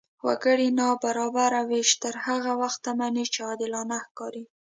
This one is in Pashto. وګړي نابرابره وېش تر هغه وخته مني، چې عادلانه ښکاري.